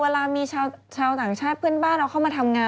เวลามีชาวต่างชาติเพื่อนบ้านเราเข้ามาทำงาน